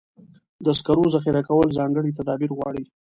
د سکرو ذخیره کول ځانګړي تدابیر غواړي.